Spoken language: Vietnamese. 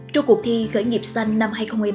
trong cuộc thi khởi nghiệp xanh năm hai nghìn một mươi ba